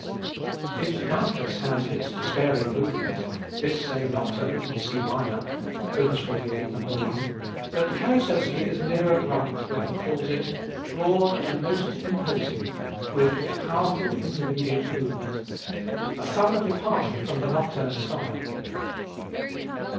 It doubtless has its despairing movement, this same Nocturne in C minor, op. 48, No. I, but Karasowski is nearer right when he calls it "broad and most imposing with its powerful intermediate movement, a thorough departure from the nocturne style."